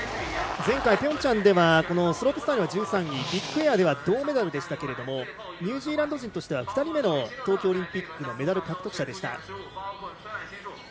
前回ピョンチャンではスロープスタイルは１３位ビッグエアでは銅メダルでしたがニュージーランド人としては２人目の冬季オリンピックのメダル獲得者でした。